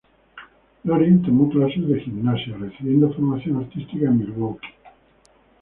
Loring tomó clases de gimnasia, recibiendo formación artística en Milwaukee.